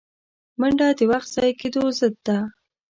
منډه د وخت ضایع کېدو ضد ده